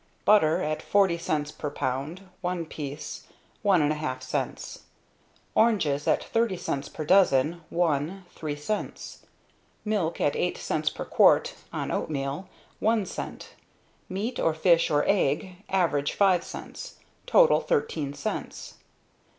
Butter at forty cents per pound, one piece, one and a half cents. Oranges at thirty cents per dozen, one, three cents. Milk at eight cents per quart, on oatmeal, one cent. Meat or fish or egg, average five cents. Total thirteen cents."